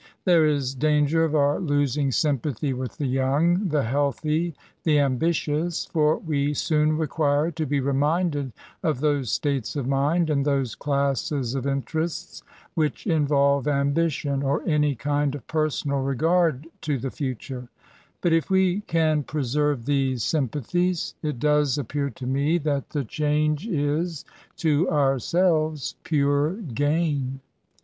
There is danger of our losing sympathy with the young, the healthy, the ambi tious ; for "we soon require to be reminded of those states of mind, and those classes of interests which involve ambition, or any kind of personal regard to the future : but, if we can preserve these sympathies, it does appear to me that the change GAINS AND PRIVILEGES. 199 is, to ourselves, pure gain.